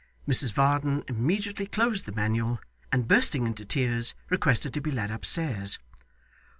Mrs Varden immediately closed the Manual, and bursting into tears, requested to be led upstairs.